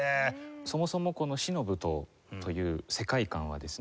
そもそもこの『死の舞踏』という世界観はですね